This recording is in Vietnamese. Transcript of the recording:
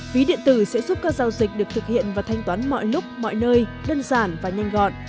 ví điện tử sẽ giúp các giao dịch được thực hiện và thanh toán mọi lúc mọi nơi đơn giản và nhanh gọn